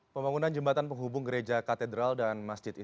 pembangunan jembatan penghubung gereja katedral dan masjid isti